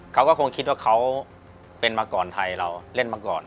เขาก็คงคิดว่าเขาเป็นมาก่อนไทยเราเล่นมาก่อน